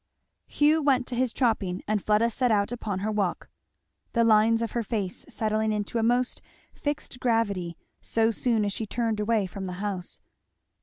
Hugh went to his chopping and Fleda set out upon her walk; the lines of her face settling into a most fixed gravity so soon as she turned away from the house.